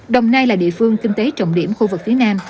đồng nai là địa phương kinh tế trọng điểm khu vực phía nam